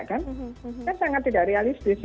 kan sangat tidak realistis